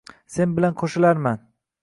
Sen bilan qoʼshilarman.